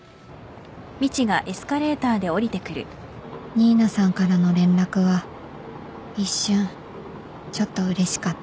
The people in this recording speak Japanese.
新名さんからの連絡は一瞬ちょっとうれしかった